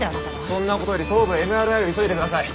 そんな事より頭部ＭＲＩを急いでください。